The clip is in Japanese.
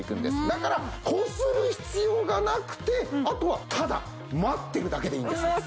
だからこする必要がなくてあとはただ待ってるだけでいいんです。